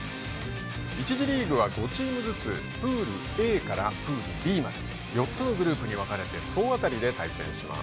１次リーグは５チームずつプールＡからプールＤまで４つのグループに分かれて総当たりで対戦します。